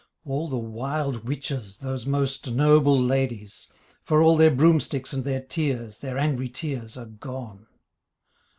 All the wild witches those most noble ladies, For all their broom sticks and their tears, Their angry tears, are gone.